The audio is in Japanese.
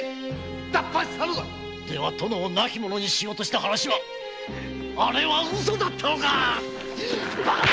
では殿を亡き者にしようとした話はあれは嘘だったのか